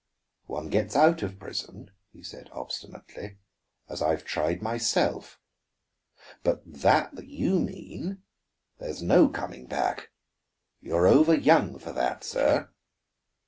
"One gets out of prison," he said obstinately, "as I've tried myself. But that that you mean there's no coming back. You are over young for that, sir."